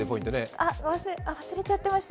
あ、忘れちゃってました。